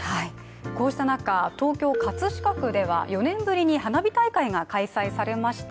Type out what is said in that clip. こうした中、東京・葛飾区では４年ぶりに花火大会が開催されました。